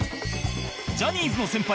ジャニーズの先輩